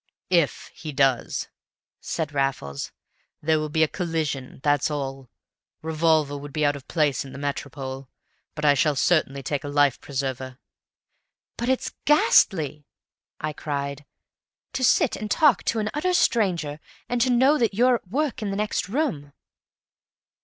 "If he does," said Raffles, "there will be a collision, that's all. Revolver would be out of place in the Métropole, but I shall certainly take a life preserver." "But it's ghastly!" I cried. "To sit and talk to an utter stranger and to know that you're at work in the next room!"